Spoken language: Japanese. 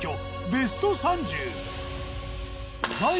ベスト３０。